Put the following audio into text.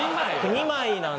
２枚なん。